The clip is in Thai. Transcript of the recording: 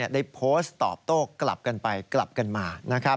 ได้โพสต์ตอบโต้กลับกันไปกลับกันมา